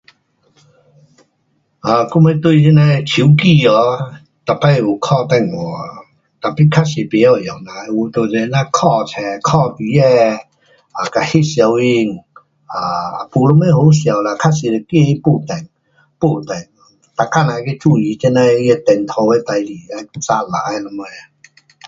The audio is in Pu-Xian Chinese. um 我们对那样的手机 um 每次有打电话，tapi 较多不晓用啦，有就是这样看书，看那的跟拍照片，um 没什么好笑啦，较多是怕它过电，没电，每天都处理这样它的电图的事情 salah 那什么。